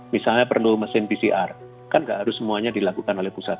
misalnya perlu mesin pcr kan nggak harus semuanya dilakukan oleh pusat